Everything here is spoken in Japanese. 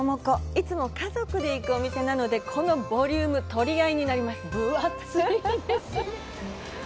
いつも家族で行くお店なので、家族で取り合いになります。